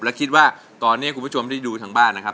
และคิดว่าตอนนี้คุณผู้ชมที่ดูทางบ้านนะครับ